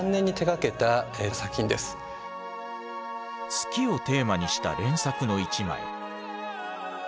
月をテーマにした連作の一枚。